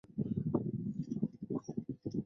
为县级文物保护单位。